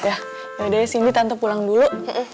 yaudah sini tante pulang dulu